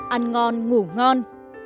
ăn ngon ngủ ngon